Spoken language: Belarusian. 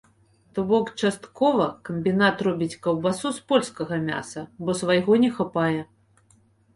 То бок, часткова камбінат робіць каўбасу з польскага мяса, бо свайго не хапае.